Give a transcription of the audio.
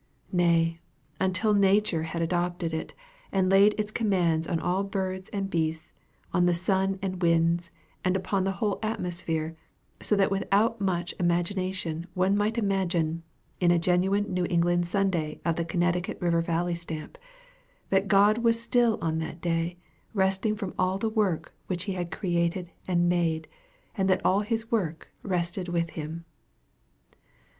Nay, until Nature had adopted it, and laid its commands on all birds and beasts, on the sun and winds, and upon the whole atmosphere; so that without much imagination one might imagine, in a genuine New England Sunday of the Connecticut River Valley stamp, that God was still on that day resting from all the work which he had created and made, and that all his work rested with him!